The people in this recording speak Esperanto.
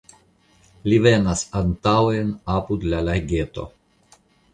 Li venas antaŭen apud la lageto.